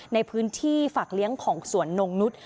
ในพื้นที่ฝากเลี้ยงของสวนนงนุษย์